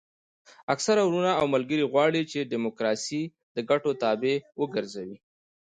اکثره وروڼه او ملګري غواړي چې ډیموکراسي د ګټو تابع وګرځوي.